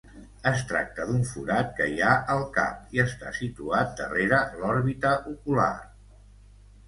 Es tracta d'un forat que hi ha al cap i està situat darrere l'òrbita ocular.